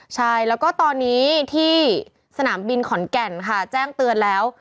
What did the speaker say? ใช่แล้วก็ตอนนี้ที่สนามบินขอนแก่นค่ะแจ้งเตือนแล้ว